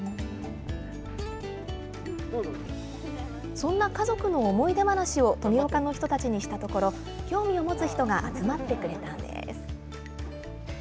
そんな家族の思い出話を、富岡の人たちのしたところ、興味を持つ人が集まってくれたんです。